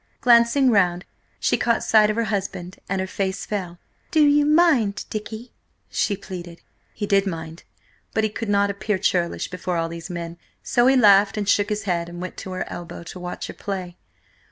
Glancing round she caught sight of her husband, and her face fell. "Do you mind, Dicky?" she pleaded. He did mind, but he could not appear churlish before all these men; so he laughed and shook his head, and went to her elbow to watch her play.